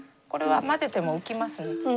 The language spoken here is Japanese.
これは混ぜても浮きますね。